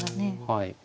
はい。